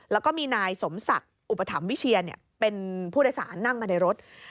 แล้วก็มีนายสมศักดิ์อุปถัมภวิเชียเป็นผู้โดยสารนั่งมาในรถ